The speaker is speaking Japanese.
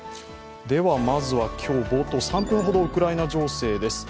まずは今日冒頭、３分ほどウクライナ情勢です。